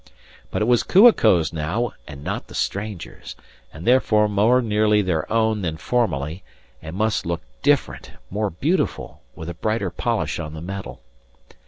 But it was Kua ko's now and not the stranger's, and therefore more nearly their own than formerly, and must look different, more beautiful, with a brighter polish on the metal.